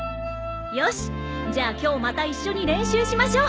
よしじゃあ今日また一緒に練習しましょう。